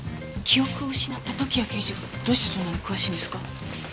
記憶を失った時矢刑事がどうしてそんなに詳しいんですか？